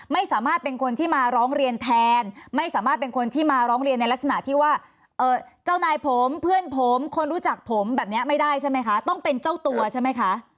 ไม่สามารถเป็นคนที่มาร้องเรียนแทนไม่สามารถเป็นคนที่มาร้องเรียนในลักษณะที่ว่าเจ้านายผมเพื่อนผมคนรู้จักผมแบบนี้ไม่ได้ใช่ไหมคะต้องเป็นเจ้าตัวใช่ไหมคะ